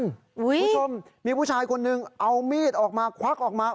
คุณผู้ชมมีผู้ชายคนนึงเอามีดออกมาควักออกมา